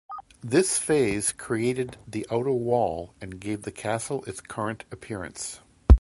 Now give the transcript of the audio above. This phase created the outer wall and gave the castle its current appearance.